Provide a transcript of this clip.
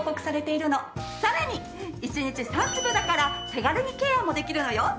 さらに１日３粒だから手軽にケアもできるのよ！